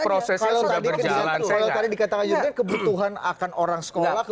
kalau tadi dikatakan juga kebutuhan akan orang sekolah